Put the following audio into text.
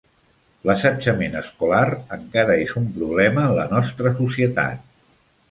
L'assetjament escolar encara és un problema en la nostra societat.